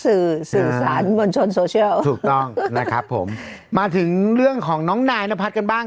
สื่อสื่อสารบนชนโซเชียลถูกต้องนะครับผมมาถึงเรื่องของน้องนายนพัฒน์กันบ้าง